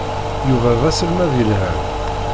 Yuba d aselmad yelhan.